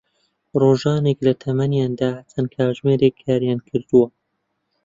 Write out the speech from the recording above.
ڕۆژانێک لە تەمەنیاندا چەند کاتژمێر کاریان کردووە